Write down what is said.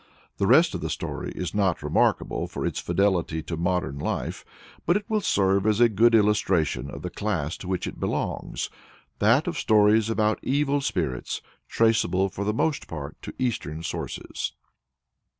The rest of the story is not remarkable for its fidelity to modern life, but it will serve as a good illustration of the class to which it belongs that of stories about evil spirits, traceable, for the most part, to Eastern sources.